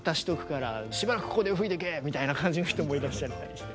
みたいな感じの人もいらっしゃったりして。